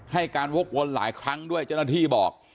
ให้การวกวนหลายครั้งด้วยเจ้าหน้าที่บอก